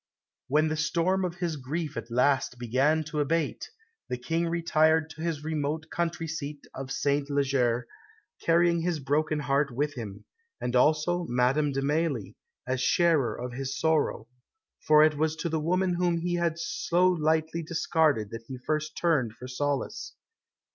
When the storm of his grief at last began to abate, the King retired to his remote country seat of Saint Leger, carrying his broken heart with him and also Madame de Mailly, as sharer of his sorrow; for it was to the woman whom he had so lightly discarded that he first turned for solace.